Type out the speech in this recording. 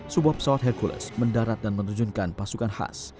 sebuah pesawat hercules mendarat dan menerjunkan pasukan khas